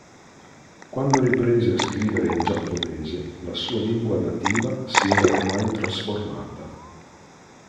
Quando riprese a scrivere in giapponese, la sua lingua nativa si era ormai trasformata.